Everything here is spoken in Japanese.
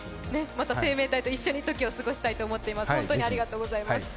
また「生命体」と一緒に時を過ごしたいと思います。